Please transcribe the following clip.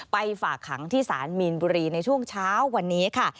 ฝากขังที่ศาลมีนบุรีในช่วงเช้าวันนี้ค่ะ